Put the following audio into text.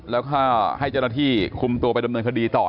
แล้วก็ให้เจ้าหน้าที่คุมตัวไปดำเนินคดีต่อ